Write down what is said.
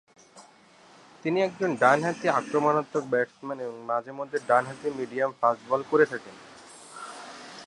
তিনি একজন ডানহাতি আক্রমণাত্মক ব্যাটসম্যান এবং মাঝে মধ্যে ডান হাতি মিডিয়াম ফাস্ট বলে করে থাকেন।